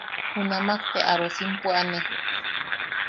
Junamak te arosim puane.